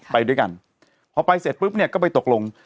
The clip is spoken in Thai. ไปด้วยกันพอไปเสร็จปุ๊บเนี่ยก็ไปตกลง